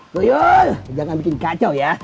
goyo jangan bikin kacau ya